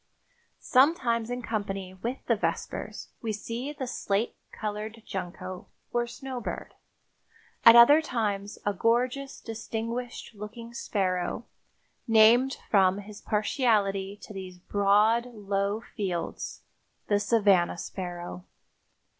Sometimes in company with the vespers we see the slate colored junco, or snow bird; at other times a gorgeous, distinguished looking sparrow, named from his partiality to these broad, low fields, the savanna sparrow.